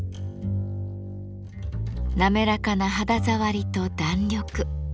滑らかな肌触りと弾力。